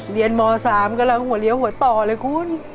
ม๓กำลังหัวเลี้ยวหัวต่อเลยคุณ